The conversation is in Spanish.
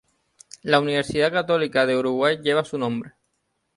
La Universidad Católica del Uruguay lleva su nombre.